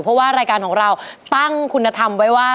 เพราะว่ารายการของเราตั้งคุณธรรมไว้ว่า